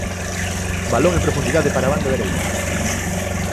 Balón en profundidade para a banda dereita.